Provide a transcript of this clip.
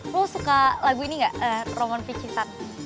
lo suka lagu ini enggak roman piccin san